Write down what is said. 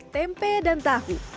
tempe dan tahu